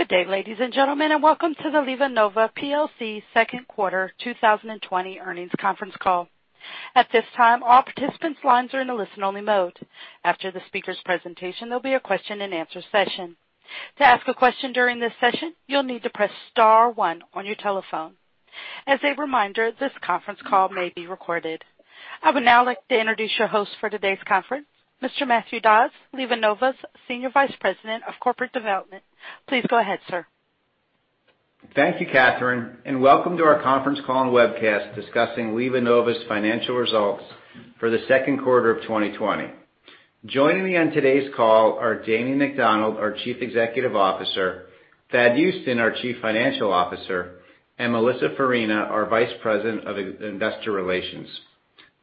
Good day, ladies and gentlemen, and welcome to the LivaNova PLC second quarter 2020 earnings conference call. At this time, all participants' lines are in a listen-only mode. After the speakers' presentation, there'll be a question and answer session. To ask a question during this session, you'll need to press star one on your telephone. As a reminder, this conference call may be recorded. I would now like to introduce your host for today's conference, Mr. Matthew Dodds, LivaNova's Senior Vice President of Corporate Development. Please go ahead, sir. Thank you, Catherine, and welcome to our conference call and webcast discussing LivaNova's financial results for the second quarter of 2020. Joining me on today's call are Damien McDonald, our Chief Executive Officer, Thad Huston, our Chief Financial Officer, and Melissa Farina, our Vice President of Investor Relations.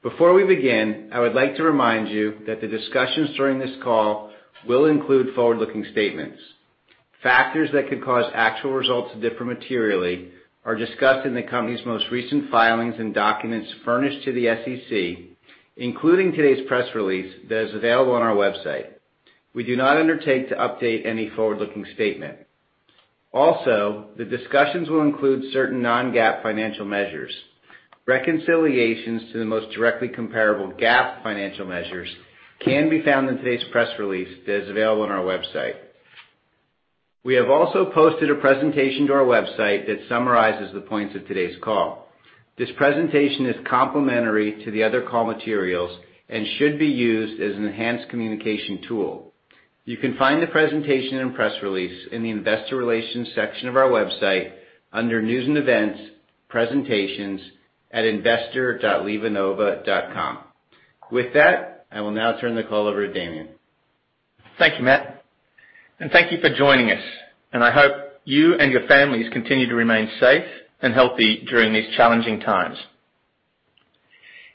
Before we begin, I would like to remind you that the discussions during this call will include forward-looking statements. Factors that could cause actual results to differ materially are discussed in the company's most recent filings and documents furnished to the SEC, including today's press release that is available on our website. We do not undertake to update any forward-looking statement. The discussions will include certain non-GAAP financial measures. Reconciliations to the most directly comparable GAAP financial measures can be found in today's press release that is available on our website. We have also posted a presentation to our website that summarizes the points of today's call. This presentation is complementary to the other call materials and should be used as an enhanced communication tool. You can find the presentation and press release in the Investor Relations section of our website under News and Events, Presentations at investor.livanova.com. With that, I will now turn the call over to Damien. Thank you, Matt. Thank you for joining us, and I hope you and your families continue to remain safe and healthy during these challenging times.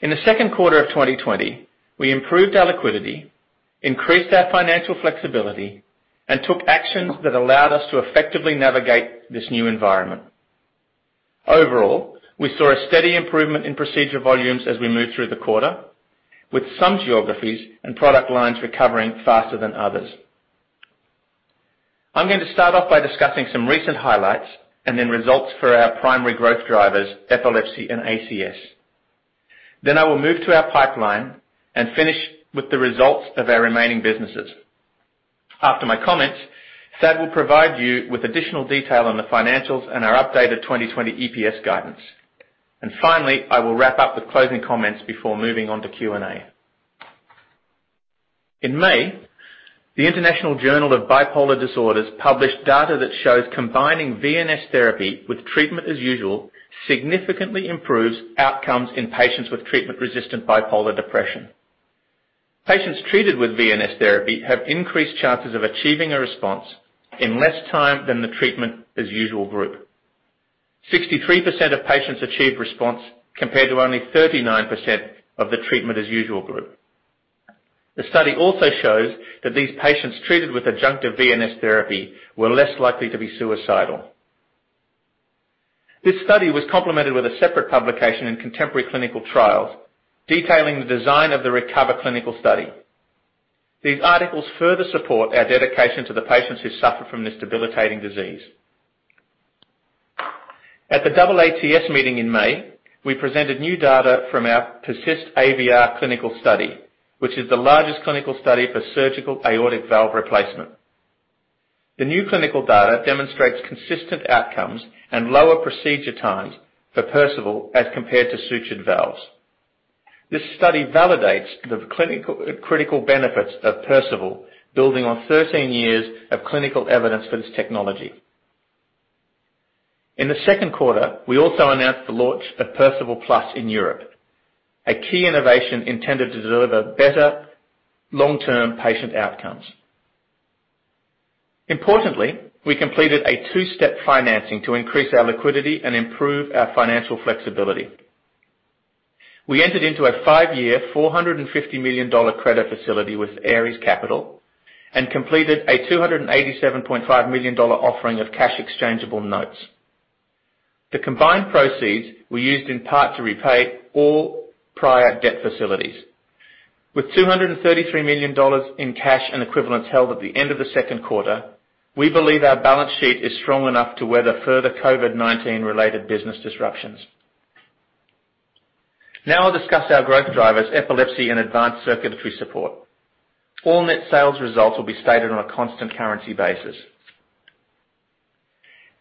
In the second quarter of 2020, we improved our liquidity, increased our financial flexibility, and took actions that allowed us to effectively navigate this new environment. Overall, we saw a steady improvement in procedure volumes as we moved through the quarter, with some geographies and product lines recovering faster than others. I'm going to start off by discussing some recent highlights and then results for our primary growth drivers, epilepsy and ACS. I will move to our pipeline and finish with the results of our remaining businesses. After my comments, Thad will provide you with additional detail on the financials and our updated 2020 EPS guidance. Finally, I will wrap up with closing comments before moving on to Q and A. In May, the International Journal of Bipolar Disorders published data that shows combining VNS Therapy with treatment as usual, significantly improves outcomes in patients with treatment-resistant bipolar depression. Patients treated with VNS Therapy have increased chances of achieving a response in less time than the treatment as usual group. 63% of patients achieved response, compared to only 39% of the treatment as usual group. The study also shows that these patients treated with adjunctive VNS Therapy were less likely to be suicidal. This study was complemented with a separate publication in contemporary clinical trials, detailing the design of the RECOVER clinical study. These articles further support our dedication to the patients who suffer from this debilitating disease. At the AATS meeting in May, we presented new data from our PERSIST-AVR clinical study, which is the largest clinical study for surgical aortic valve replacement. The new clinical data demonstrates consistent outcomes and lower procedure times for Perceval as compared to sutured valves. This study validates the critical benefits of Perceval, building on 13 years of clinical evidence for this technology. In the second quarter, we also announced the launch of Perceval Plus in Europe, a key innovation intended to deliver better long-term patient outcomes. Importantly, we completed a two-step financing to increase our liquidity and improve our financial flexibility. We entered into a a five-year, $450 million credit facility with Ares Capital and completed a $287.5 million offering of cash-exchangeable notes. The combined proceeds were used in part to repay all prior debt facilities. With $233 million in cash and equivalents held at the end of the second quarter, we believe our balance sheet is strong enough to weather further COVID-19 related business disruptions. I'll discuss our growth drivers, epilepsy and advanced circulatory support. All net sales results will be stated on a constant currency basis.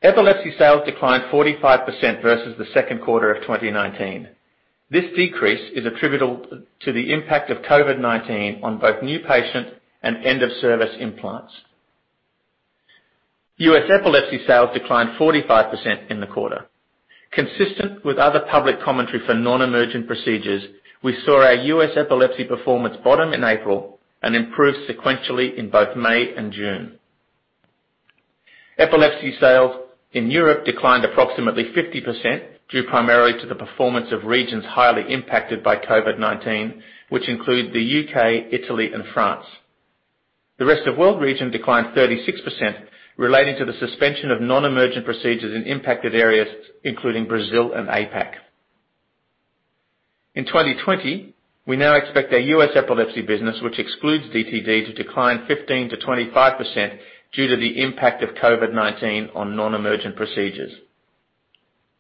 Epilepsy sales declined 45% versus the second quarter of 2019. This decrease is attributable to the impact of COVID-19 on both new patient and end-of-service implants. U.S. epilepsy sales declined 45% in the quarter. Consistent with other public commentary for non-emergent procedures, we saw our U.S. epilepsy performance bottom in April and improve sequentially in both May and June. Epilepsy sales in Europe declined approximately 50%, due primarily to the performance of regions highly impacted by COVID-19, which include the U.K., Italy, and France. The rest of world region declined 36%, relating to the suspension of non-emergent procedures in impacted areas, including Brazil and APAC. In 2020, we now expect our U.S. epilepsy business, which excludes DTD, to decline 15%-25% due to the impact of COVID-19 on non-emergent procedures.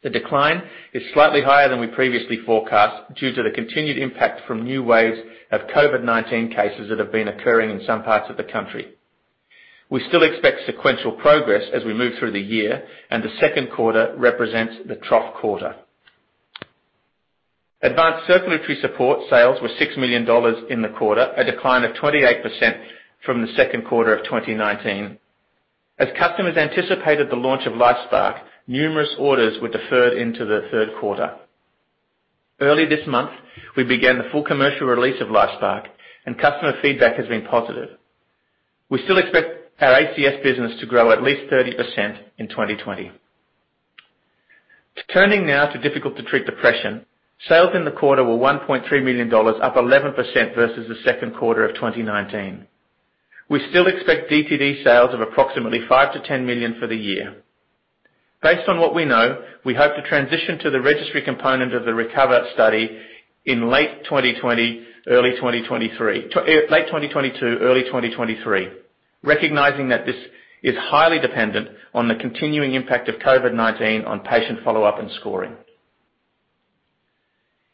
The decline is slightly higher than we previously forecast due to the continued impact from new waves of COVID-19 cases that have been occurring in some parts of the country. We still expect sequential progress as we move through the year. The second quarter represents the trough quarter. Advanced circulatory support sales were $6 million in the quarter, a decline of 28% from the second quarter of 2019. As customers anticipated the launch of LifeSpark, numerous orders were deferred into the third quarter. Early this month, we began the full commercial release of LifeSpark. Customer feedback has been positive. We still expect our ACS business to grow at least 30% in 2020. Turning now to difficult to treat depression. Sales in the quarter were $1.3 million, up 11% versus the second quarter of 2019. We still expect DTD sales of approximately $5 million-$10 million for the year. Based on what we know, we hope to transition to the registry component of the RECOVER study in late 2022, early 2023. Recognizing that this is highly dependent on the continuing impact of COVID-19 on patient follow-up and scoring.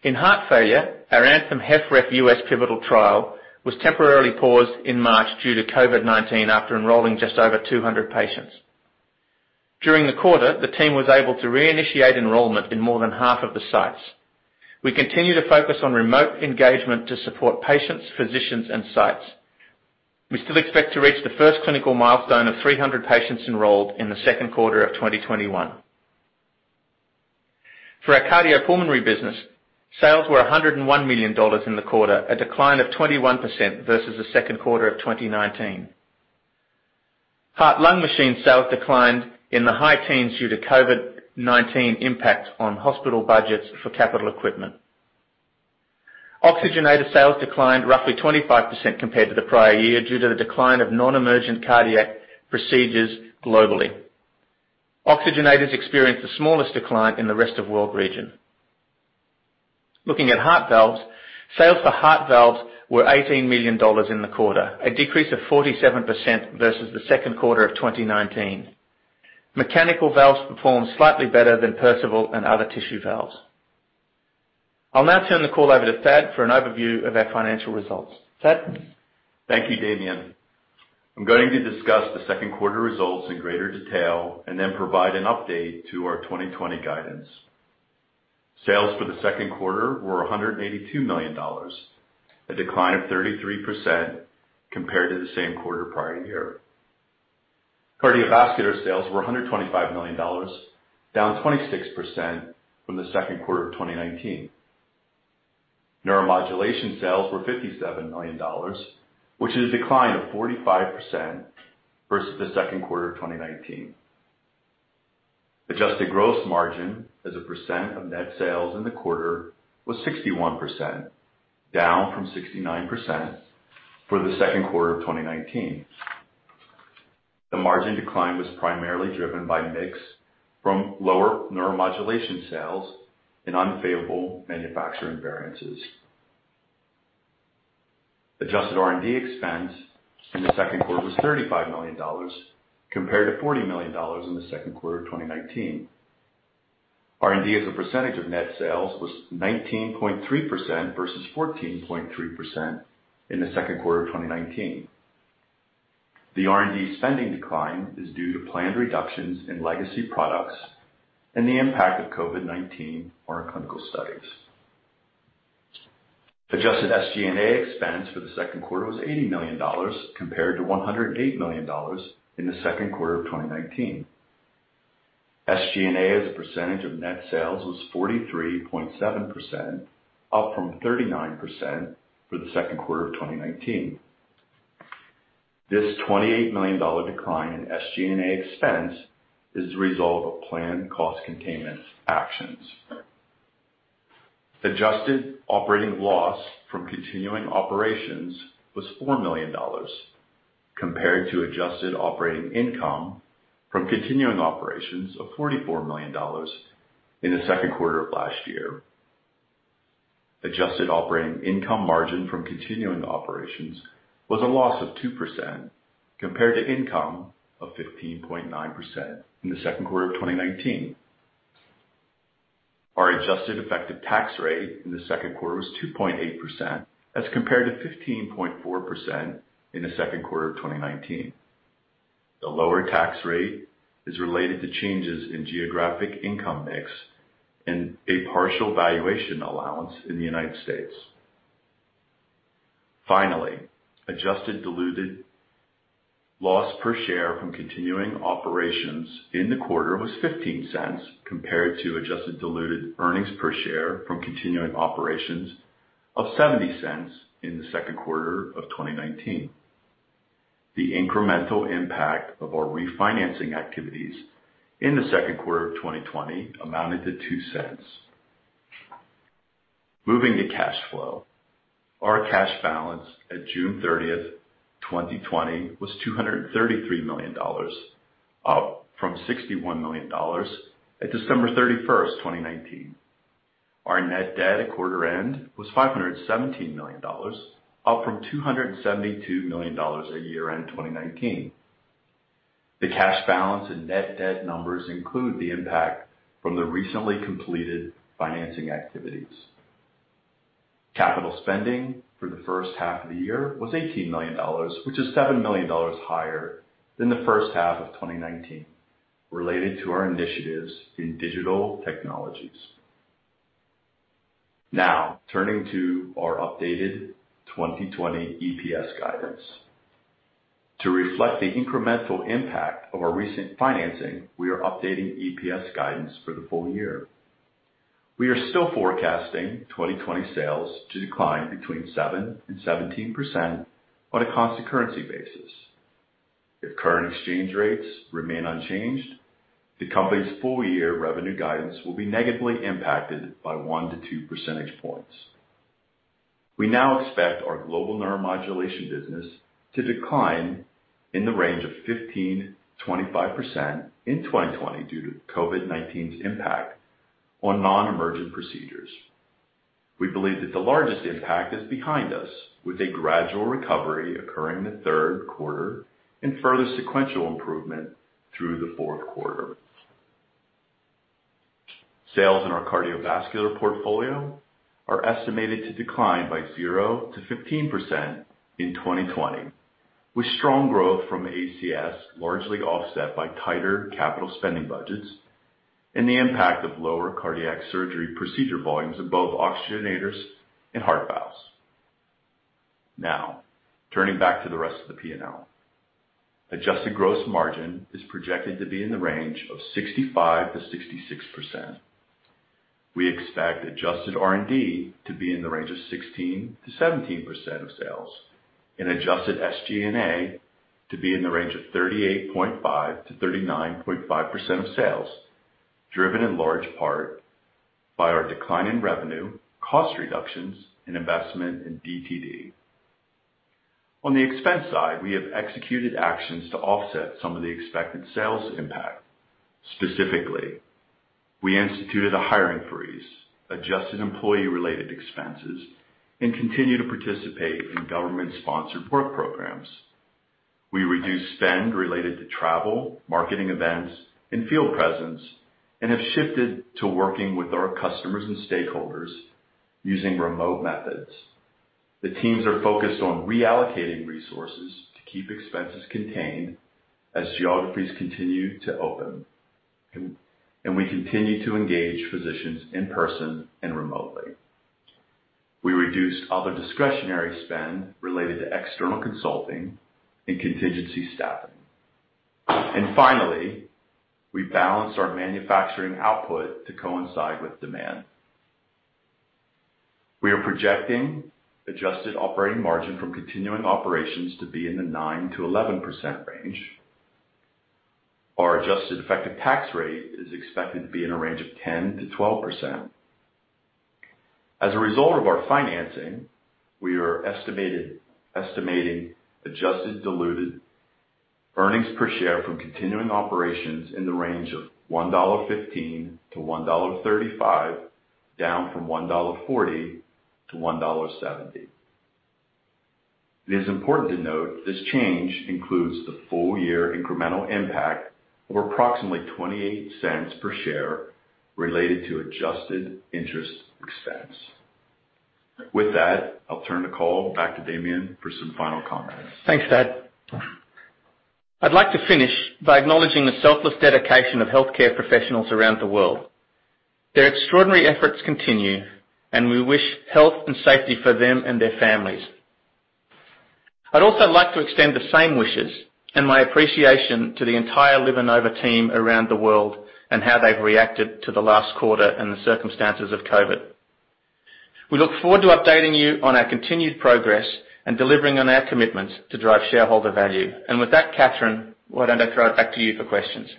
In heart failure, our ANTHEM-HFrEF U.S. pivotal trial was temporarily paused in March due to COVID-19 after enrolling just over 200 patients. During the quarter, the team was able to reinitiate enrollment in more than half of the sites. We continue to focus on remote engagement to support patients, physicians, and sites. We still expect to reach the first clinical milestone of 300 patients enrolled in the second quarter of 2021. For our Cardiopulmonary business, sales were $101 million in the quarter, a decline of 21% versus the second quarter of 2019. Heart-Lung Machine sales declined in the high teens due to COVID-19 impact on hospital budgets for capital equipment. Oxygenator sales declined roughly 25% compared to the prior year, due to the decline of non-emergent cardiac procedures globally. Oxygenators experienced the smallest decline in the rest of world region. Looking at heart valves, sales for heart valves were $18 million in the quarter, a decrease of 47% versus the second quarter of 2019. Mechanical valves performed slightly better than Perceval and other tissue valves. I'll now turn the call over to Thad for an overview of our financial results. Thad? Thank you, Damien. I'm going to discuss the second quarter results in greater detail and then provide an update to our 2020 guidance. Sales for the second quarter were $182 million, a decline of 33% compared to the same quarter prior year. Cardiovascular sales were $125 million, down 26% from the second quarter of 2019. Neuromodulation sales were $57 million, which is a decline of 45% versus the second quarter of 2019. Adjusted gross margin as a percent of net sales in the quarter was 61%, down from 69% for the second quarter of 2019. The margin decline was primarily driven by mix from lower Neuromodulation sales and unfavorable manufacturing variances. Adjusted R&D expense in the second quarter was $35 million, compared to $40 million in the second quarter of 2019. R&D as a percentage of net sales was 19.3% versus 14.3% in the second quarter of 2019. The R&D spending decline is due to planned reductions in legacy products and the impact of COVID-19 on our clinical studies. Adjusted SG&A expense for the second quarter was $80 million, compared to $108 million in the second quarter of 2019. SG&A as a percentage of net sales was 43.7%, up from 39% for the second quarter of 2019. This $28 million decline in SG&A expense is the result of planned cost containment actions. Adjusted operating loss from continuing operations was $4 million, compared to adjusted operating income from continuing operations of $44 million in the second quarter of last year. Adjusted operating income margin from continuing operations was a loss of 2%, compared to income of 15.9% in the second quarter of 2019. Our adjusted effective tax rate in the second quarter was 2.8%, as compared to 15.4% in the second quarter of 2019. The lower tax rate is related to changes in geographic income mix and a partial valuation allowance in the U.S. Adjusted diluted loss per share from continuing operations in the quarter was $0.15, compared to adjusted diluted earnings per share from continuing operations of $0.70 in the second quarter of 2019. The incremental impact of our refinancing activities in the second quarter of 2020 amounted to $0.02. Moving to cash flow. Our cash balance at June 30th, 2020 was $233 million, up from $61 million at December 31st, 2019. Our net debt at quarter end was $517 million, up from $272 million at year-end 2019. The cash balance and net debt numbers include the impact from the recently completed financing activities. Capital spending for the first half of the year was $18 million, which is $7 million higher than the first half of 2019, related to our initiatives in digital technologies. Now, turning to our updated 2020 EPS guidance. To reflect the incremental impact of our recent financing, we are updating EPS guidance for the full year. We are still forecasting 2020 sales to decline between 7% and 17% on a constant currency basis. If current exchange rates remain unchanged, the company's full-year revenue guidance will be negatively impacted by one to two percentage points. We now expect our global neuromodulation business to decline in the range of 15% to 25% in 2020 due to COVID-19's impact on non-emergent procedures. We believe that the largest impact is behind us, with a gradual recovery occurring in the third quarter and further sequential improvement through the fourth quarter. Sales in our cardiovascular portfolio are estimated to decline by 0%-15% in 2020, with strong growth from ACS largely offset by tighter capital spending budgets and the impact of lower cardiac surgery procedure volumes in both oxygenators and heart valves. Turning back to the rest of the P&L. Adjusted gross margin is projected to be in the range of 65%-66%. We expect adjusted R&D to be in the range of 16%-17% of sales and adjusted SG&A to be in the range of 38.5%-39.5% of sales, driven in large part by our decline in revenue, cost reductions, and investment in DTD. On the expense side, we have executed actions to offset some of the expected sales impact. Specifically, we instituted a hiring freeze, adjusted employee-related expenses, and continue to participate in government-sponsored work programs. We reduced spend related to travel, marketing events, and field presence and have shifted to working with our customers and stakeholders using remote methods. The teams are focused on reallocating resources to keep expenses contained as geographies continue to open. We continue to engage physicians in person and remotely. We reduced other discretionary spend related to external consulting and contingency staffing. Finally, we balanced our manufacturing output to coincide with demand. We are projecting adjusted operating margin from continuing operations to be in the 9%-11% range. Our adjusted effective tax rate is expected to be in a range of 10%-12%. As a result of our financing, we are estimating adjusted diluted earnings per share from continuing operations in the range of $1.15-$1.35, down from $1.40-$1.70. It is important to note this change includes the full-year incremental impact of approximately $0.28 per share related to adjusted interest expense. With that, I'll turn the call back to Damien for some final comments. Thanks, Thad. I'd like to finish by acknowledging the selfless dedication of healthcare professionals around the world. Their extraordinary efforts continue, and we wish health and safety for them and their families. I'd also like to extend the same wishes and my appreciation to the entire LivaNova team around the world and how they've reacted to the last quarter and the circumstances of COVID. We look forward to updating you on our continued progress and delivering on our commitments to drive shareholder value. With that, Katherine, why don't I throw it back to you for questions?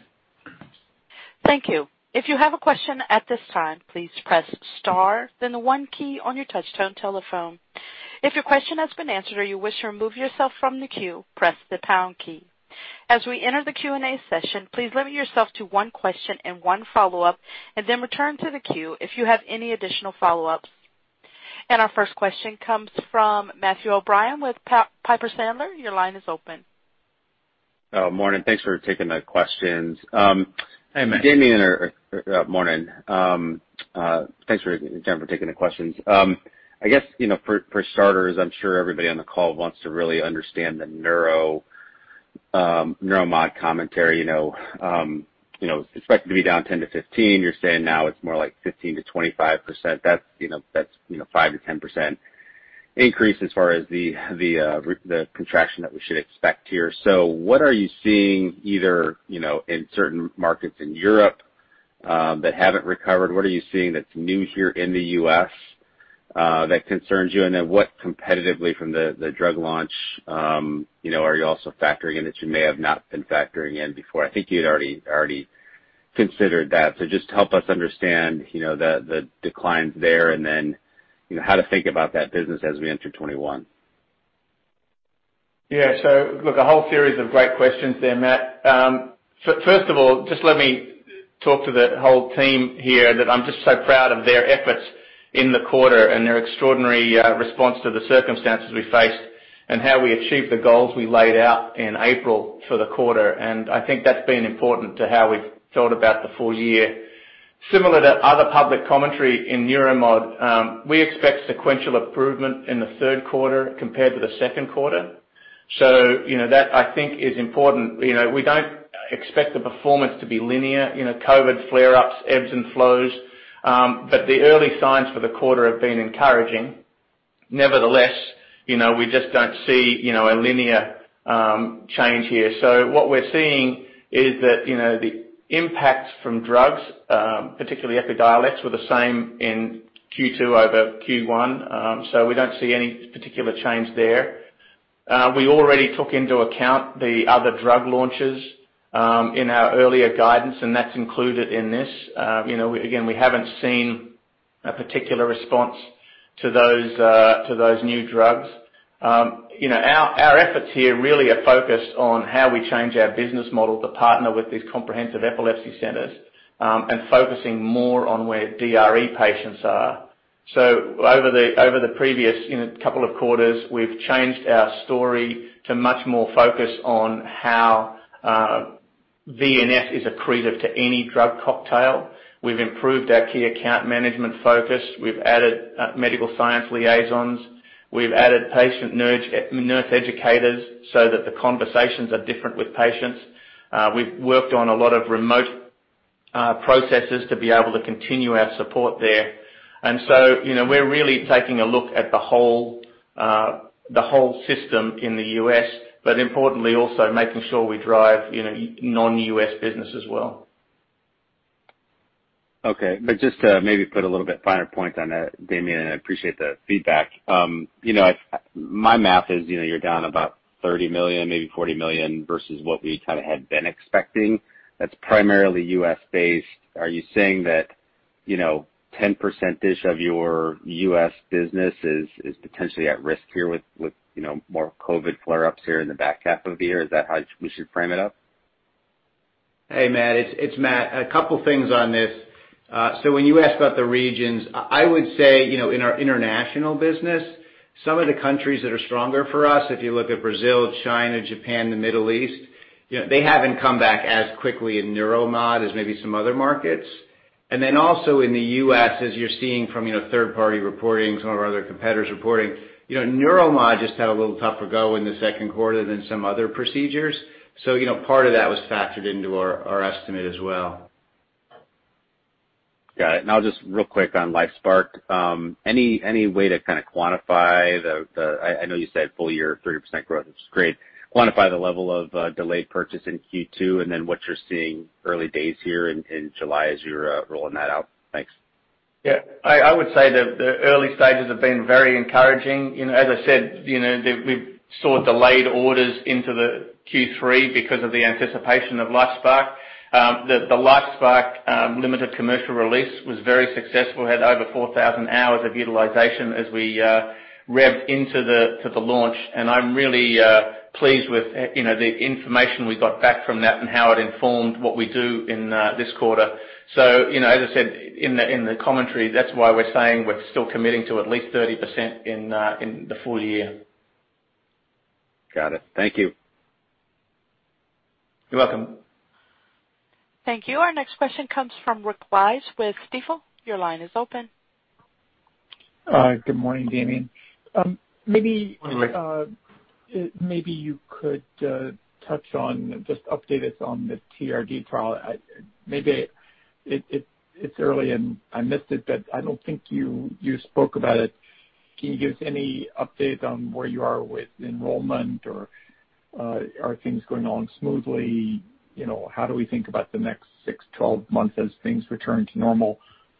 Thank you. If you have a question at this time, please press star, then the one key on your touch-tone telephone. If your question has been answered or you wish to remove yourself from the queue, press the pound key. As we enter the Q and A session, please limit yourself to one question and one follow-up, and then return to the queue if you have any additional follow-ups. Our first question comes from Matthew O'Brien with Piper Sandler. Your line is open. Morning. Thanks for taking the questions. Hey, Matt. Damien. Morning. Thanks again for taking the questions. I guess for starters, I'm sure everybody on the call wants to really understand the Neuromod commentary. Expected to be down 10% to 15%. You're saying now it's more like 15% to 25%. That's 5% to 10% increase as far as the contraction that we should expect here. What are you seeing either in certain markets in Europe that haven't recovered? What are you seeing that's new here in the U.S. that concerns you? What competitively from the drug launch are you also factoring in that you may have not been factoring in before? I think you had already considered that. Just help us understand the declines there and then how to think about that business as we enter 2021. Look, a whole series of great questions there, Matt. First of all, just let me talk to the whole team here that I'm just so proud of their efforts in the quarter and their extraordinary response to the circumstances we faced, and how we achieved the goals we laid out in April for the quarter. I think that's been important to how we felt about the full- year. Similar to other public commentary in Neuromod, we expect sequential improvement in the third quarter compared to the second quarter. That I think is important. We don't expect the performance to be linear, COVID flare-ups, ebbs and flows. The early signs for the quarter have been encouraging. Nevertheless, we just don't see a linear change here. What we're seeing is that, the impacts from drugs, particularly EPIDIOLEX, were the same in Q2 over Q1. We don't see any particular change there. We already took into account the other drug launches, in our earlier guidance, and that's included in this. We haven't seen a particular response to those new drugs. Our efforts here really are focused on how we change our business model to partner with these comprehensive epilepsy centers, and focusing more on where DRE patients are. Over the previous couple of quarters, we've changed our story to much more focus on how VNS is accretive to any drug cocktail. We've improved our key account management focus. We've added medical science liaisons. We've added patient nurse educators so that the conversations are different with patients. We've worked on a lot of remote processes to be able to continue our support there. We're really taking a look at the whole system in the U.S., but importantly also making sure we drive non-U.S. business as well. Okay. Just to maybe put a little bit finer point on that, Damien, I appreciate the feedback. My math is, you're down about $30 million, maybe $40 million versus what we kind of had been expecting. That's primarily U.S.-based. Are you saying that, 10% of your U.S. business is potentially at risk here with more COVID-19 flare-ups here in the back half of the year? Is that how we should frame it up? Hey, Matt. It's Matt. A couple things on this. When you ask about the regions, I would say, in our international business, some of the countries that are stronger for us, if you look at Brazil, China, Japan, the Middle East, they haven't come back as quickly in Neuromod as maybe some other markets. Also in the U.S., as you're seeing from third-party reporting, some of our other competitors reporting, Neuromod just had a little tougher go in the second quarter than some other procedures. Part of that was factored into our estimate as well. Got it. Now just real quick on LifeSpark. Any way to kind of quantify the I know you said full- year, 30% growth, which is great. Quantify the level of delayed purchase in Q2, and then what you're seeing early days here in July as you're rolling that out. Thanks. Yeah. I would say the early stages have been very encouraging. As I said, we've saw delayed orders into the Q3 because of the anticipation of LifeSpark. The LifeSpark limited commercial release was very successful, had over 4,000 hours of utilization as we revved into the launch. I'm really pleased with the information we got back from that and how it informed what we do in this quarter. As I said in the commentary, that's why we're saying we're still committing to at least 30% in the full- year. Got it. Thank you. You're welcome. Thank you. Our next question comes from Rick Wise with Stifel. Your line is open. Good morning, Damien. Morning, Rick. Maybe you could touch on, just update us on the TRD trial. Maybe it's early and I missed it, but I don't think you spoke about it. Can you give any update on where you are with enrollment, or are things going along smoothly? How do we think about the next six, 12 months as things return to normal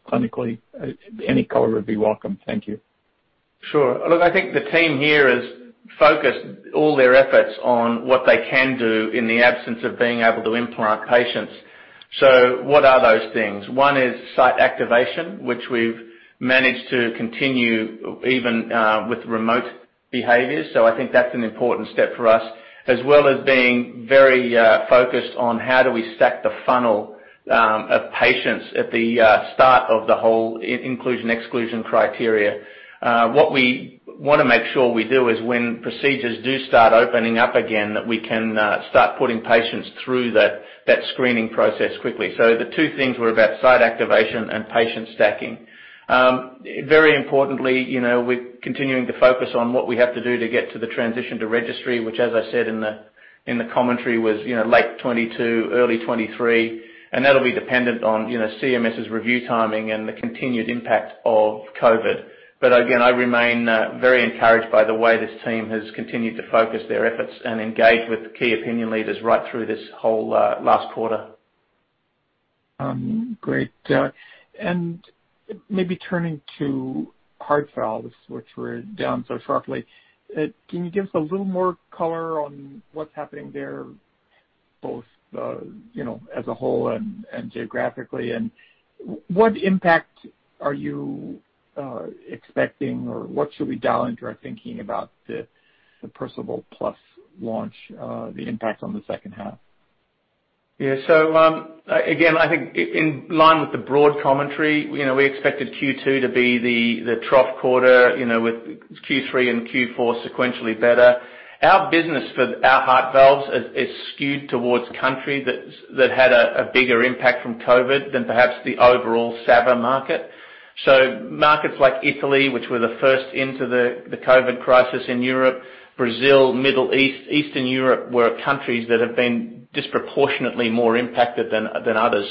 clinically? Any color would be welcome. Thank you. Sure. Look, I think the team here has focused all their efforts on what they can do in the absence of being able to implant patients. What are those things? One is site activation, which we've managed to continue even with remote behaviors. I think that's an important step for us, as well as being very focused on how do we stack the funnel of patients at the start of the whole inclusion/exclusion criteria. What we want to make sure we do is when procedures do start opening up again, that we can start putting patients through that screening process quickly. The two things were about site activation and patient stacking. Very importantly, we're continuing to focus on what we have to do to get to the transition to registry, which as I said in the commentary, was late 2022, early 2023. That'll be dependent on CMS's review timing and the continued impact of COVID. Again, I remain very encouraged by the way this team has continued to focus their efforts and engage with key opinion leaders right through this whole last quarter. Great. Maybe turning to heart valves, which were down so sharply. Can you give us a little more color on what's happening there, both as a whole and geographically? What impact are you expecting, or what should we dial into our thinking about the Perceval+ launch, the impact on the second half? Yeah. Again, I think in line with the broad commentary, we expected Q2 to be the trough quarter, with Q3 and Q4 sequentially better. Our business for our heart valves is skewed towards countries that had a bigger impact from COVID than perhaps the overall SAVR market. Markets like Italy, which were the first into the COVID crisis in Europe, Brazil, Middle East, Eastern Europe, were countries that have been disproportionately more impacted than others.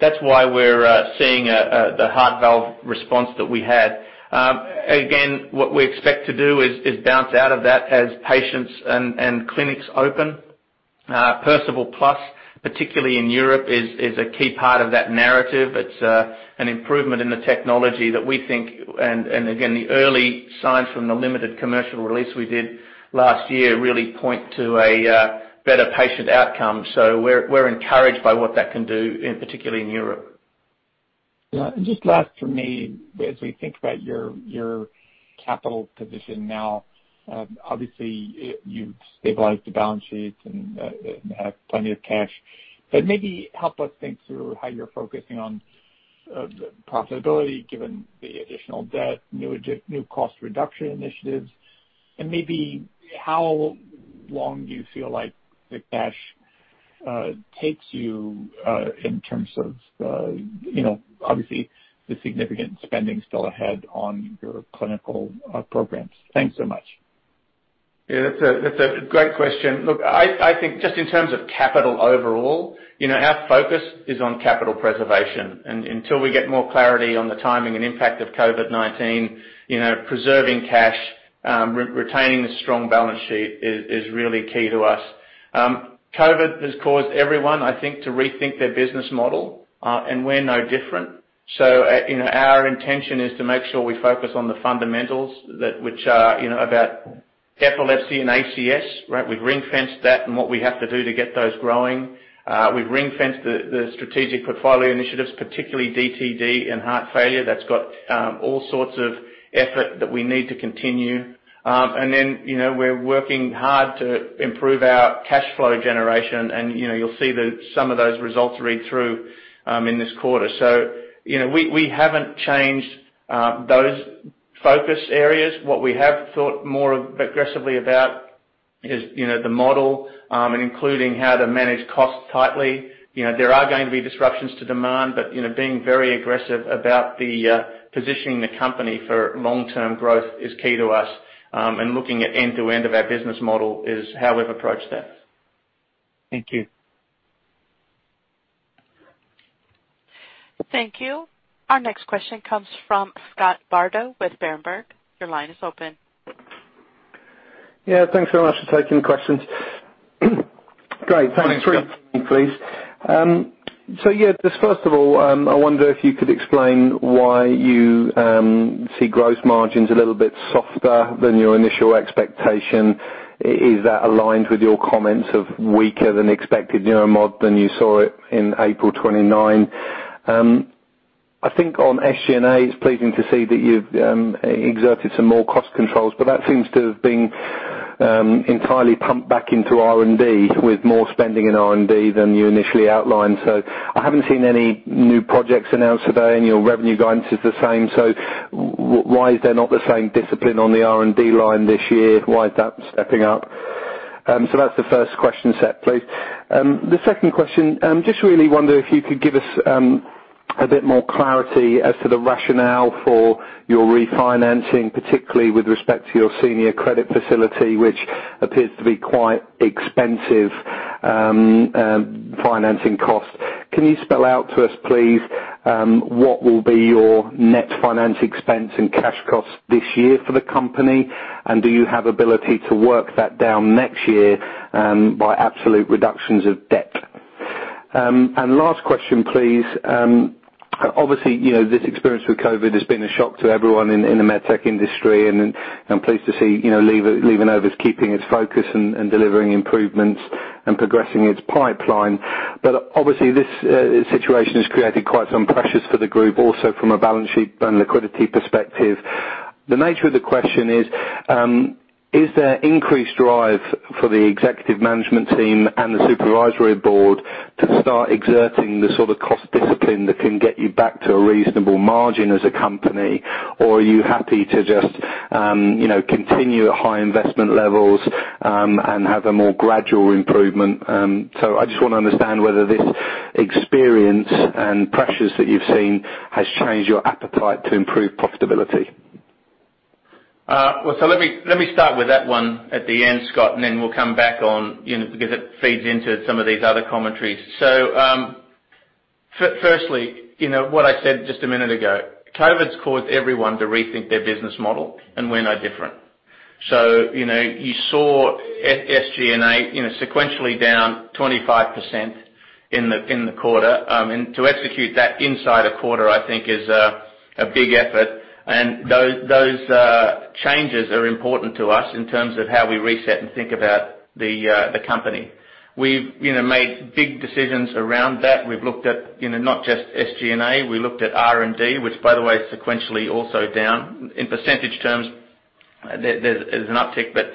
That's why we're seeing the heart valve response that we had. Again, what we expect to do is bounce out of that as patients and clinics open. Perceval+, particularly in Europe, is a key part of that narrative. It's an improvement in the technology that we think, and again, the early signs from the limited commercial release we did last year really point to a better patient outcome. We're encouraged by what that can do, particularly in Europe. Yeah. Just last from me, as we think about your capital position now, obviously, you've stabilized the balance sheet and have plenty of cash, but maybe help us think through how you're focusing on the profitability, given the additional debt, new cost reduction initiatives, and maybe how long do you feel like the cash takes you in terms of, obviously, the significant spending still ahead on your clinical programs. Thanks so much. That's a great question. Look, I think just in terms of capital overall, our focus is on capital preservation. Until we get more clarity on the timing and impact of COVID-19, preserving cash, retaining a strong balance sheet is really key to us. COVID has caused everyone, I think, to rethink their business model, and we're no different. Our intention is to make sure we focus on the fundamentals, which are about epilepsy and ACS. We've ring-fenced that and what we have to do to get those growing. We've ring-fenced the strategic portfolio initiatives, particularly DTD and heart failure. That's got all sorts of effort that we need to continue. We're working hard to improve our cash flow generation, and you'll see some of those results read through in this quarter. We haven't changed those focus areas. What we have thought more aggressively about is the model, and including how to manage costs tightly. There are going to be disruptions to demand, but being very aggressive about positioning the company for long-term growth is key to us, and looking at end-to-end of our business model is how we've approached that. Thank you. Thank you. Our next question comes from Scott Bardo with Berenberg. Your line is open. Yeah. Thanks very much for taking questions. Great. Thanks. Morning, Scott. Yeah, just first of all, I wonder if you could explain why you see gross margins a little bit softer than your initial expectation. Is that aligned with your comments of weaker than expected Neuromod than you saw it in April 29? I think on SG&A, it's pleasing to see that you've exerted some more cost controls, but that seems to have been entirely pumped back into R&D, with more spending in R&D than you initially outlined. I haven't seen any new projects announced today, and your revenue guidance is the same, so why is there not the same discipline on the R&D line this year? Why is that stepping up? That's the first question set, please. The second question, just really wonder if you could give us a bit more clarity as to the rationale for your refinancing, particularly with respect to your senior credit facility, which appears to be quite expensive financing cost. Can you spell out to us, please, what will be your net finance expense and cash costs this year for the company, and do you have ability to work that down next year by absolute reductions of debt? Last question, please. Obviously, this experience with COVID has been a shock to everyone in the med tech industry, and I'm pleased to see LivaNova's keeping its focus and delivering improvements and progressing its pipeline. Obviously, this situation has created quite some pressures for the group, also from a balance sheet and liquidity perspective. The nature of the question is: Is there increased drive for the executive management team and the supervisory board to start exerting the sort of cost discipline that can get you back to a reasonable margin as a company? Or are you happy to just continue at high investment levels and have a more gradual improvement? I just want to understand whether this experience and pressures that you've seen has changed your appetite to improve profitability. Let me start with that one at the end, Scott, and then we'll come back on, because it feeds into some of these other commentaries. Firstly, what I said just a minute ago. COVID's caused everyone to rethink their business model, and we're no different. You saw SG&A sequentially down 25% in the quarter. To execute that inside a quarter, I think is a big effort. Those changes are important to us in terms of how we reset and think about the company. We've made big decisions around that. We've looked at not just SG&A, we looked at R&D, which by the way, is sequentially also down in percentage terms. There's an uptick, but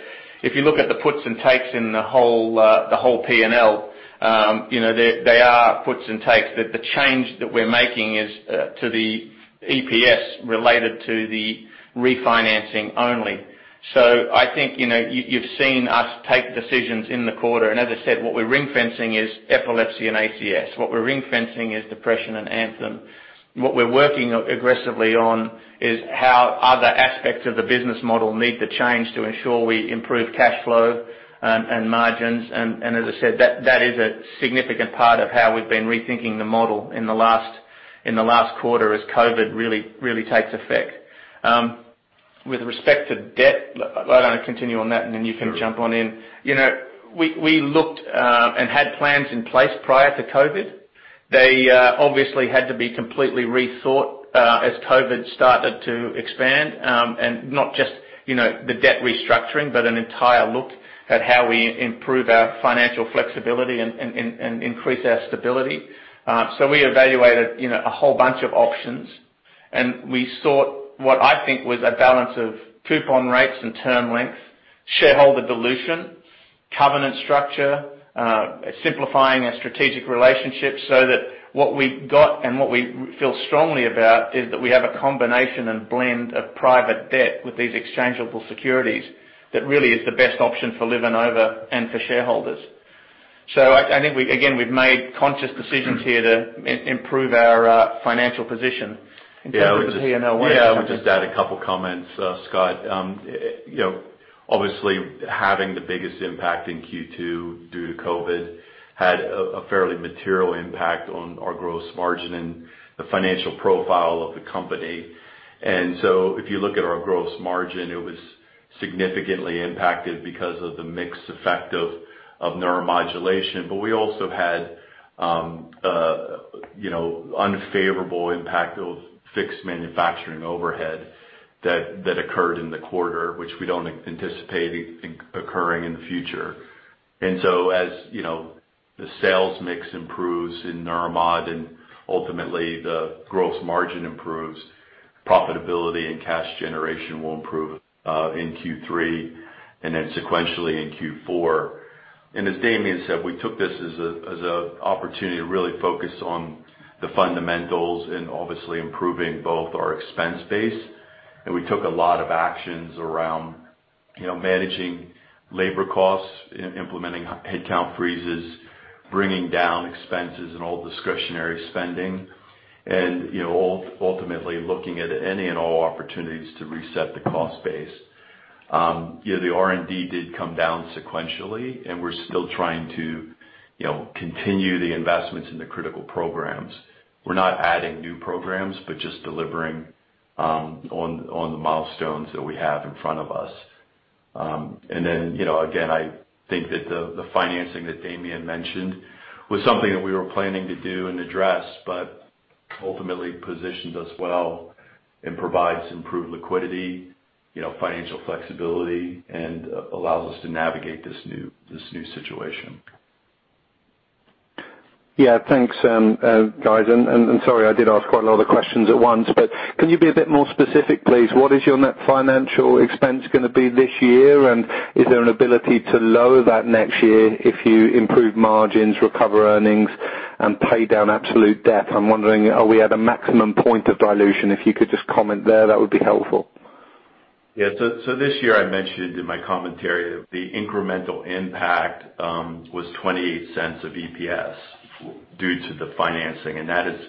if you look at the puts and takes in the whole P&L, they are puts and takes, but the change that we're making is to the EPS related to the refinancing only. I think, you've seen us take decisions in the quarter, and as I said, what we're ring-fencing is epilepsy and ACS. What we're ring-fencing is depression and ANTHEM. What we're working aggressively on is how other aspects of the business model need to change to ensure we improve cash flow and margins. As I said, that is a significant part of how we've been rethinking the model in the last quarter as COVID really takes effect. With respect to debt, I'm going to continue on that, and then you can jump on in. Sure. We looked and had plans in place prior to COVID-19. They obviously had to be completely rethought as COVID-19 started to expand. Not just the debt restructuring, but an entire look at how we improve our financial flexibility and increase our stability. We evaluated a whole bunch of options, and we sought what I think was a balance of coupon rates and term length, shareholder dilution, covenant structure, simplifying our strategic relationships so that what we got and what we feel strongly about is that we have a combination and blend of private debt with these exchangeable securities that really is the best option for LivaNova and for shareholders. I think, again, we've made conscious decisions here to improve our financial position in terms of P&L. Yeah. I'll just add a couple of comments, Scott. Obviously, having the biggest impact in Q2 due to COVID had a fairly material impact on our gross margin and the financial profile of the company. If you look at our gross margin, it was significantly impacted because of the mixed effect of Neuromodulation. We also had unfavorable impact of fixed manufacturing overhead that occurred in the quarter, which we don't anticipate occurring in the future. As the sales mix improves in Neuromod, and ultimately the gross margin improves, profitability and cash generation will improve, in Q3 and then sequentially in Q4. As Damien said, we took this as an opportunity to really focus on the fundamentals and obviously improving both our expense base. We took a lot of actions around managing labor costs, implementing headcount freezes, bringing down expenses and all discretionary spending, and ultimately looking at any and all opportunities to reset the cost base. The R&D did come down sequentially, and we're still trying to continue the investments in the critical programs. We're not adding new programs, but just delivering on the milestones that we have in front of us. Then, again, I think that the financing that Damien mentioned was something that we were planning to do and address, but ultimately positioned us well and provides improved liquidity, financial flexibility, and allows us to navigate this new situation. Yeah. Thanks, guys. Sorry, I did ask quite a lot of questions at once, but can you be a bit more specific, please? What is your net financial expense going to be this year? Is there an ability to lower that next year if you improve margins, recover earnings, and pay down absolute debt? I'm wondering, are we at a maximum point of dilution? If you could just comment there, that would be helpful. Yeah. This year, I mentioned in my commentary, the incremental impact was $0.28 of EPS due to the financing. That is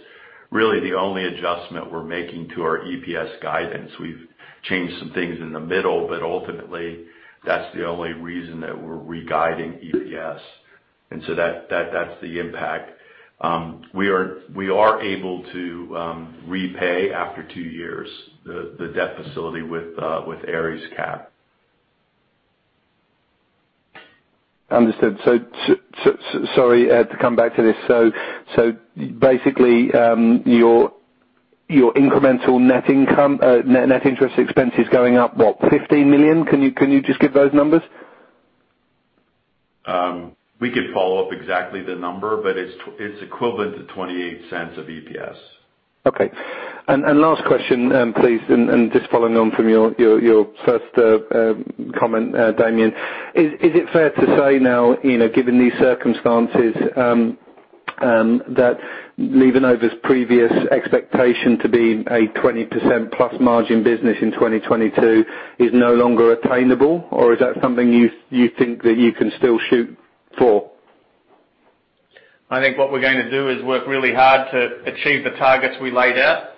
really the only adjustment we're making to our EPS guidance. We've changed some things in the middle, but ultimately, that's the only reason that we're re-guiding EPS. That's the impact. We are able to repay after two years, the debt facility with Ares Capital. Understood. Sorry to come back to this. Basically, your incremental net income, net interest expense is going up, what, $15 million? Can you just give those numbers? We could follow up exactly the number, but it's equivalent to $0.28 of EPS. Okay. Last question, please, and just following on from your first comment, Damien. Is it fair to say now, given these circumstances, that LivaNova's previous expectation to be a 20% plus margin business in 2022 is no longer attainable? Is that something you think that you can still shoot for? I think what we're going to do is work really hard to achieve the targets we laid out.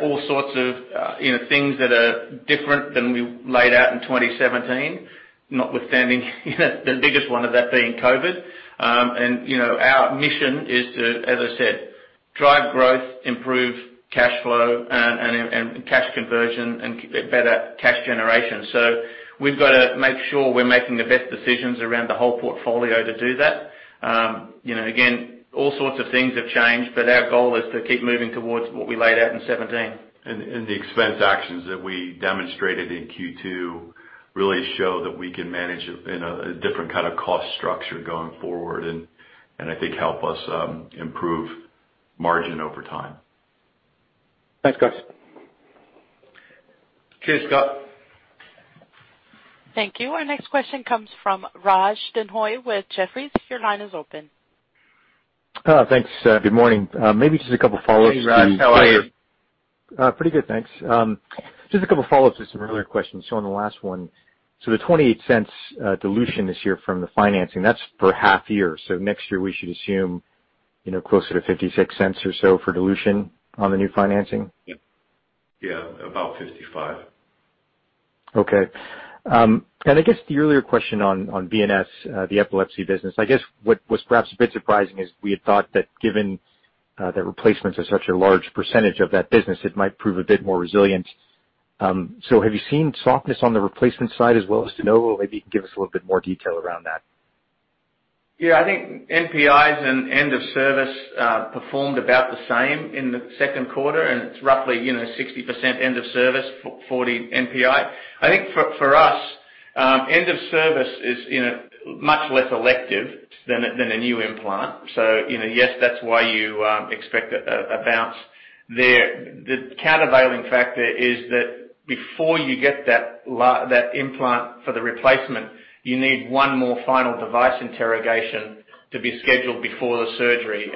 All sorts of things that are different than we laid out in 2017, notwithstanding the biggest one of that being COVID. Our mission is to, as I said, drive growth, improve cash flow and cash conversion, and better cash generation. We've got to make sure we're making the best decisions around the whole portfolio to do that. Again, all sorts of things have changed, but our goal is to keep moving towards what we laid out in 2017. The expense actions that we demonstrated in Q2 really show that we can manage in a different kind of cost structure going forward and I think help us improve margin over time. Thanks, guys. Cheers, Scott. Thank you. Our next question comes from Raj Denhoy with Jefferies. Your line is open. Thanks. Good morning. Maybe just a couple follow-ups. Hey, Raj. How are you? Pretty good, thanks. Just a couple follow-ups to some earlier questions. On the last one, so the $0.28 dilution this year from the financing, that's for half year. Next year we should assume closer to $0.56 or so for dilution on the new financing? Yeah. About 55. Okay. I guess the earlier question on VNS, the epilepsy business, I guess what was perhaps a bit surprising is we had thought that given that replacements are such a large % of that business, it might prove a bit more resilient. Have you seen softness on the replacement side as well as de novo? Maybe you can give us a little bit more detail around that. Yeah, I think NPIs and end-of-service performed about the same in the second quarter, it's roughly 60% end-of-service, 40% NPI. I think for us, end-of-service is much less elective than a new implant. Yes, that's why you expect a bounce there. The countervailing factor is that before you get that implant for the replacement, you need one more final device interrogation to be scheduled before the surgery.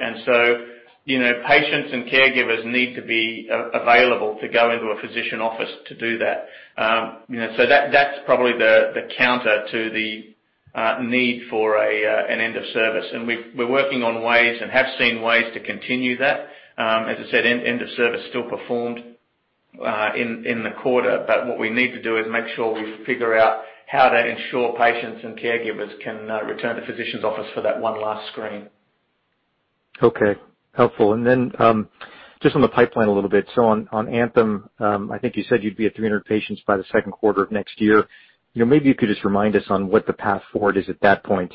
Patients and caregivers need to be available to go into a physician office to do that. That's probably the counter to the need for an end-of-service. We're working on ways and have seen ways to continue that. As I said, end-of-service still performed in the quarter, what we need to do is make sure we figure out how to ensure patients and caregivers can return to physician's office for that one last screen. Okay. Helpful. Just on the pipeline a little bit. On ANTHEM, I think you said you'd be at 300 patients by the second quarter of next year. Maybe you could just remind us on what the path forward is at that point.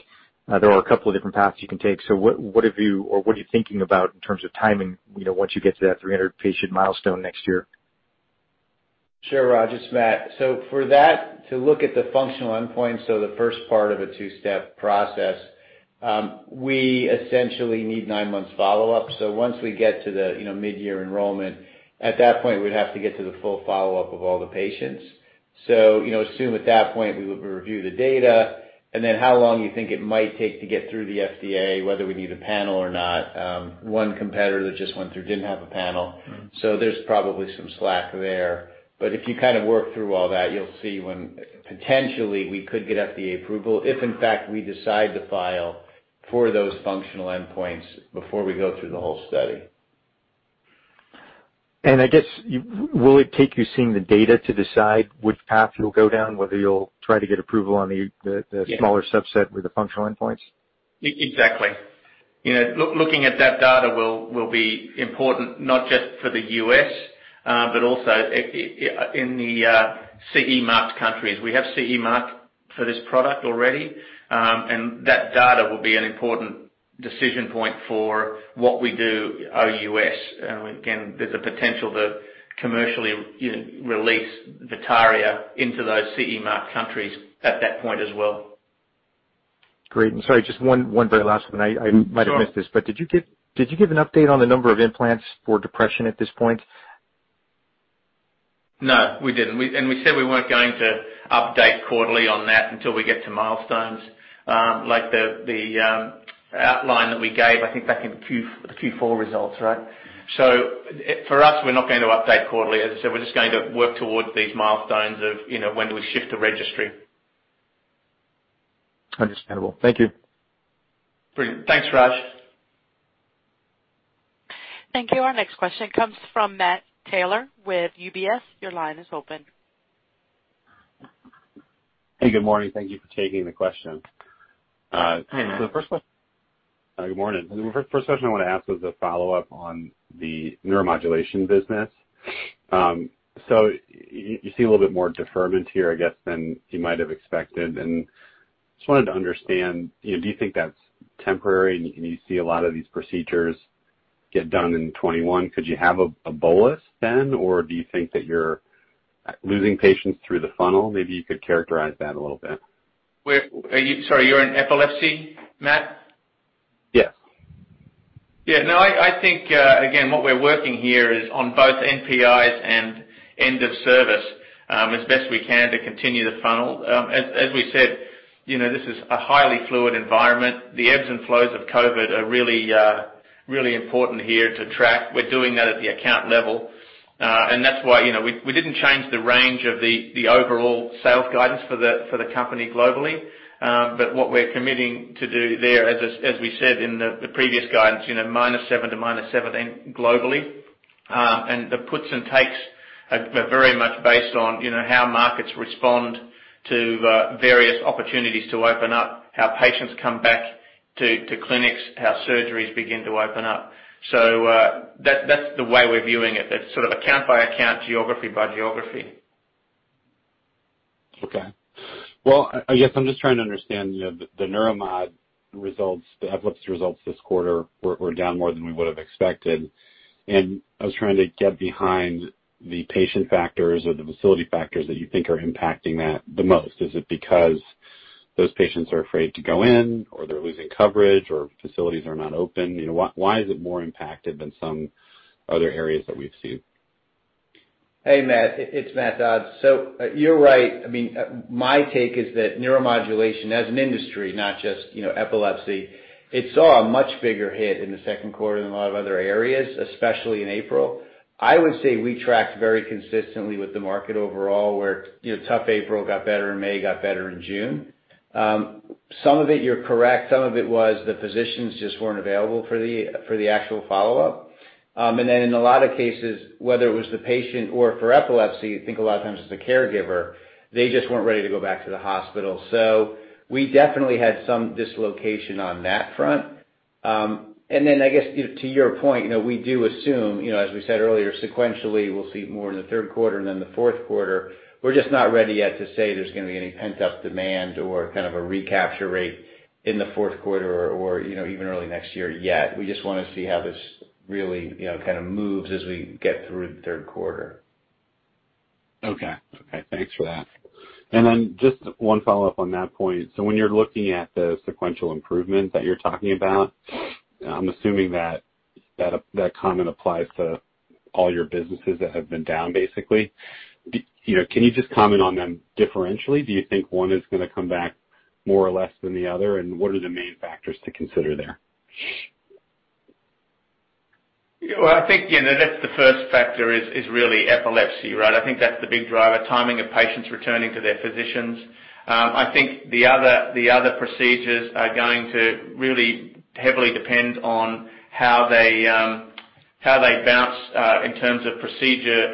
There are a couple of different paths you can take. What have you or what are you thinking about in terms of timing once you get to that 300-patient milestone next year? Sure, Raj. It's Matt. For that, to look at the functional endpoint, so the first part of a two-step process, we essentially need nine months follow-up. Once we get to the mid-year enrollment, at that point, we'd have to get to the full follow-up of all the patients. Assume at that point, we would review the data, and then how long you think it might take to get through the FDA, whether we need a panel or not. One competitor that just went through didn't have a panel. There's probably some slack there. If you work through all that, you'll see when potentially we could get FDA approval, if in fact, we decide to file for those functional endpoints before we go through the whole study. I guess, will it take you seeing the data to decide which path you'll go down, whether you'll try to get approval? Yeah smaller subset with the functional endpoints? Exactly. Looking at that data will be important, not just for the U.S., but also in the CE marked countries. We have CE mark for this product already. That data will be an important decision point for what we do OUS. Again, there's a potential to commercially release VITARIA into those CE marked countries at that point as well. Great. Sorry, just one very last one. Sure. I might have missed this, but did you give an update on the number of implants for depression at this point? No, we didn't. We said we weren't going to update quarterly on that until we get to milestones, like the outline that we gave, I think back in Q4 results, right? For us, we're not going to update quarterly. As I said, we're just going to work towards these milestones of when do we shift to registry. Understandable. Thank you. Brilliant. Thanks, Raj. Thank you. Our next question comes from Matt Taylor with UBS. Your line is open. Hey, good morning. Thank you for taking the question. Hi, Matt. Good morning. The first question I want to ask was a follow-up on the Neuromodulation business. You see a little bit more deferment here, I guess, than you might have expected, and just wanted to understand, do you think that's temporary, and you see a lot of these procedures get done in 2021? Could you have a bolus then, or do you think that you're losing patients through the funnel? Maybe you could characterize that a little bit. Sorry, you're in epilepsy, Matt? Yes. Yeah, no, I think, again, what we're working here is on both NPIs and end-of-service, as best we can to continue the funnel. As we said, this is a highly fluid environment. The ebbs and flows of COVID are really important here to track. We're doing that at the account level. That's why we didn't change the range of the overall sales guidance for the company globally. What we're committing to do there, as we said in the previous guidance, -7% to -17% globally. The puts and takes are very much based on how markets respond to various opportunities to open up, how patients come back to clinics, how surgeries begin to open up. That's the way we're viewing it. That's sort of account by account, geography by geography. Okay. Well, I guess I'm just trying to understand the Neuromod results, the epilepsy results this quarter were down more than we would have expected. I was trying to get behind the patient factors or the facility factors that you think are impacting that the most. Is it because those patients are afraid to go in or they're losing coverage or facilities are not open? Why is it more impacted than some other areas that we've seen? Hey, Matt. It's Matt Dodds. You're right. My take is that Neuromodulation as an industry, not just epilepsy, it saw a much bigger hit in the second quarter than a lot of other areas, especially in April. I would say we tracked very consistently with the market overall, where tough April got better, in May got better, in June. Some of it, you're correct. Some of it was the physicians just weren't available for the actual follow-up. In a lot of cases, whether it was the patient or for epilepsy, you think a lot of times it's the caregiver, they just weren't ready to go back to the hospital. We definitely had some dislocation on that front. I guess, to your point, we do assume, as we said earlier, sequentially, we'll see more in the third quarter and then the fourth quarter. We're just not ready yet to say there's going to be any pent-up demand or kind of a recapture rate in the fourth quarter or even early next year yet. We just want to see how this really kind of moves as we get through the third quarter. Okay. Thanks for that. Then just one follow-up on that point. When you're looking at the sequential improvement that you're talking about, I'm assuming that that comment applies to all your businesses that have been down, basically. Can you just comment on them differentially? Do you think one is going to come back more or less than the other? What are the main factors to consider there? Well, I think that's the first factor is really epilepsy, right? I think that's the big driver, timing of patients returning to their physicians. I think the other procedures are going to really heavily depend on how they bounce in terms of procedure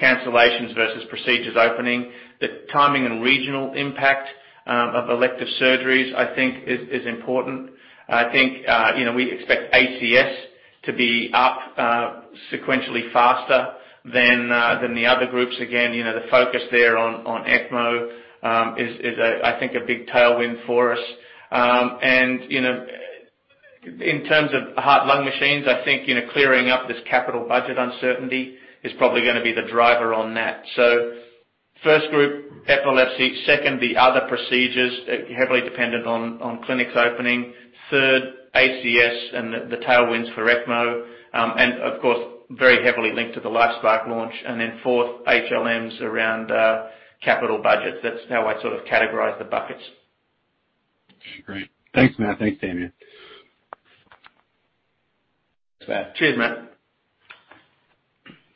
cancellations versus procedures opening. The timing and regional impact of elective surgeries, I think is important. I think we expect ACS to be up sequentially faster than the other groups. Again, the focus there on ECMO is, I think, a big tailwind for us. In terms of Heart-Lung Machines, I think clearing up this capital budget uncertainty is probably going to be the driver on that. First group, epilepsy. Second, the other procedures heavily dependent on clinics opening. Third, ACS and the tailwinds for ECMO. Of course, very heavily linked to the LifeSpark launch. Fourth, HLMs around capital budgets. That's how I sort of categorize the buckets. Great. Thanks, Matt. Thanks, Damien. Thanks, Matt. Cheers, Matt.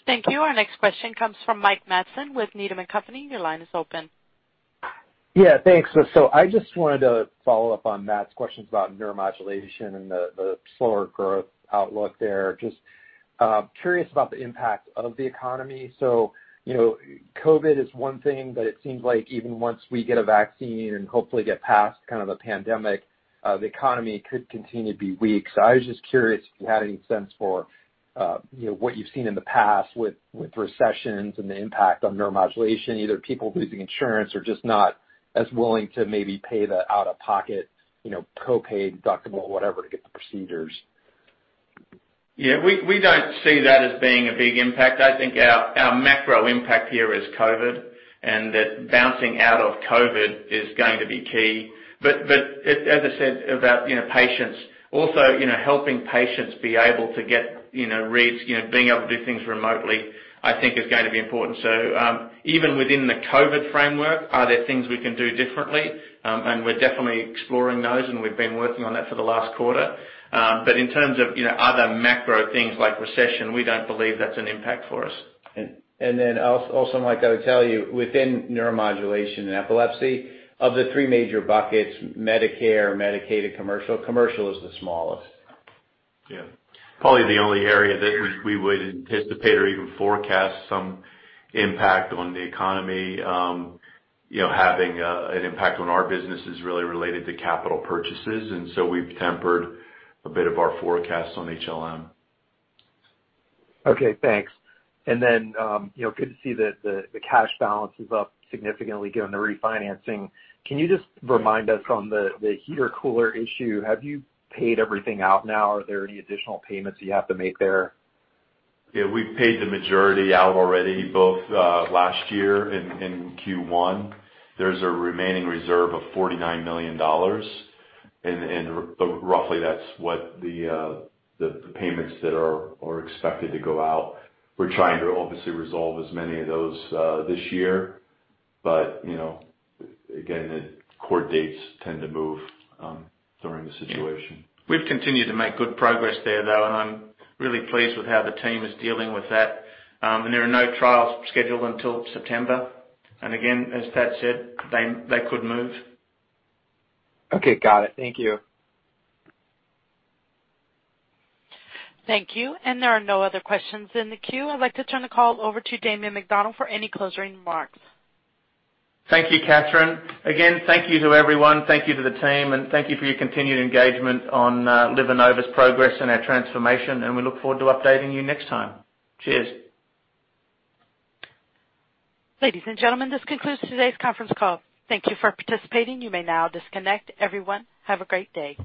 Thank you. Our next question comes from Mike Matson with Needham & Company. Your line is open. Yeah, thanks. I just wanted to follow up on Matt's questions about neuromodulation and the slower growth outlook there. Just curious about the impact of the economy. COVID is one thing, but it seems like even once we get a vaccine and hopefully get past kind of a pandemic, the economy could continue to be weak. I was just curious if you had any sense for what you've seen in the past with recessions and the impact on neuromodulation, either people losing insurance or just not as willing to maybe pay the out-of-pocket copay, deductible, whatever, to get the procedures. Yeah, we don't see that as being a big impact. I think our macro impact here is COVID, that bouncing out of COVID is going to be key. As I said about patients, also helping patients be able to get reads, being able to do things remotely, I think is going to be important. Even within the COVID framework, are there things we can do differently? We're definitely exploring those, and we've been working on that for the last quarter. In terms of other macro things like recession, we don't believe that's an impact for us. Also, Mike, I would tell you, within Neuromodulation and epilepsy, of the three major buckets, Medicare, Medicaid, and commercial is the smallest. Yeah. Probably the only area that we would anticipate or even forecast some impact on the economy having an impact on our business is really related to capital purchases. We've tempered a bit of our forecast on HLM. Okay, thanks. Good to see that the cash balance is up significantly given the refinancing. Can you just remind us on the heater-cooler issue, have you paid everything out now? Are there any additional payments you have to make there? Yeah, we've paid the majority out already, both last year in Q1. There's a remaining reserve of $49 million, and roughly that's what the payments that are expected to go out. We're trying to obviously resolve as many of those this year, but again, the court dates tend to move during the situation. We've continued to make good progress there, though, and I'm really pleased with how the team is dealing with that. There are no trials scheduled until September. Again, as Thad said, they could move. Okay, got it. Thank you. Thank you. There are no other questions in the queue. I'd like to turn the call over to Damien McDonald for any closing remarks. Thank you, Catherine. Thank you to everyone. Thank you to the team. Thank you for your continued engagement on LivaNova's progress and our transformation. We look forward to updating you next time. Cheers. Ladies and gentlemen, this concludes today's conference call. Thank you for participating. You may now disconnect. Everyone, have a great day.